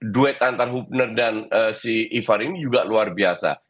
duit antar hoopner dan si eva riener juga luar biasa